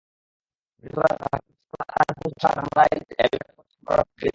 জারুলতলা, ভাতশালা, চানপুর, সোতাহা, রামরাইল এলাকার রেলপথ অতিক্রম করা রাস্তাটি এলজিইডির।